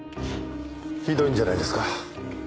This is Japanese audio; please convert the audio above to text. ひどいんじゃないですか？